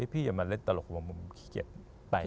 พี่อย่ามันเล่นตลกหว่างผมขี้เก็ดไป